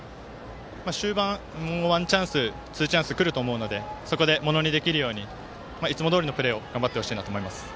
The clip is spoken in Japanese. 終盤、もうワンチャンスツーチャンスくると思うのでそこでものをできるようにいつもどおりのプレーを頑張ってほしいなと思います。